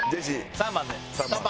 ３番で。